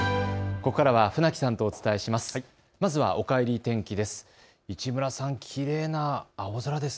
ここからは船木さんとお伝えします。